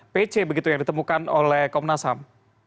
pc begitu yang ditemukan oleh komnas ham